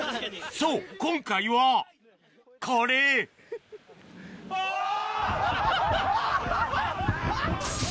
そう今回はこれおぉ！